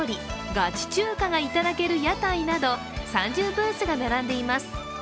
ガチ中華がいただける屋台など、３０ブースが並んでいます。